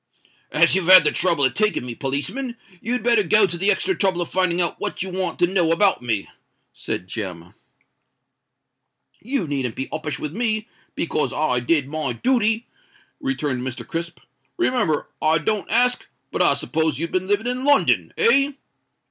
"As you've had the trouble of taking me, policeman, you'd better go to the extra trouble of finding out what you want to know about me," said Jem. "You needn't be uppish with me, because I did my dooty," returned Mr. Crisp. "Remember, I don't ask—but I s'pose you've been living in London—eh?"